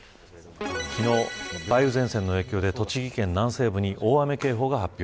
昨日、梅雨前線の影響で栃木県南西部に大雨警報が発表。